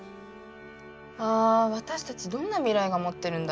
あ私たちどんな未来が待ってるんだろ。